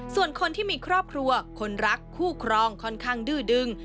ส่วนคนที่มีครอบครัวคนรักคู่ครองค่อนข้างดื้อดึง